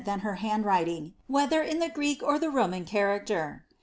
than her handwriting, whether in the Greek or the Roman character.